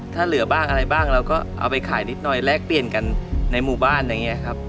ถ้าเหลือบ้างอะไรบ้างเราก็เอาไปขายนิดหน่อยแลกเปลี่ยนกันในหมู่บ้านอย่างนี้ครับ